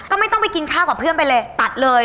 ก็ไม่ต้องไปกินข้าวกับเพื่อนไปเลยตัดเลย